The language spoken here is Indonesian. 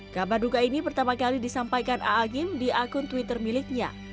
kabar duka ini pertama kali disampaikan ⁇ aagim ⁇ di akun twitter miliknya